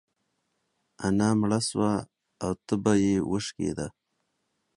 انا مړه سوه او تبه يې وشکيده.